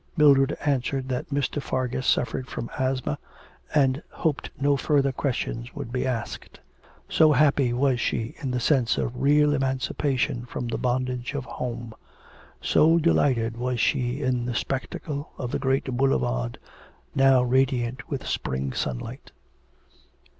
Mildred answered that Mr. Fargus suffered from asthma, and hoped no further questions would be asked, so happy was she in the sense of real emancipation from the bondage of home so delighted was she in the spectacle of the great boulevard, now radiant with spring sunlight.